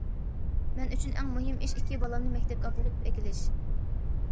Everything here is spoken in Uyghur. مەن ئۈچۈن ئەڭ مۇھىم ئىش ئىككى بالامنى مەكتەپكە ئاپىرىپ ئەكېلىش.